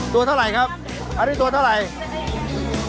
ตัวเท่าไหร่ครับอันนี้ตัวเท่าไหร่